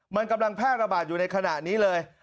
มันกำลังแพร่ระบาดอยู่ในขณะนี้เลย